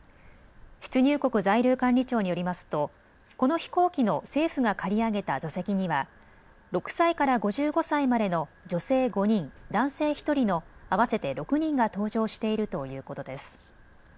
出入国在留管理庁によりますとこの飛行機の政府が借り上げた座席には６歳から５５歳までの女性５人、男性１人の合わせて６人が搭乗しているということです。